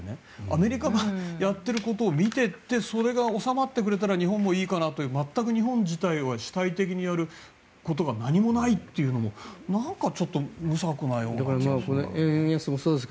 アメリカがやっていることを見てそれが収まってくれたら日本もいいかなという日本自体は主体的にやることが何もないというのもなんか無策なような気がします。